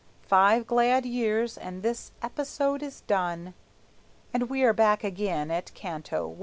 Five glad years, and this "episode" is done, And we are back again at Canto I.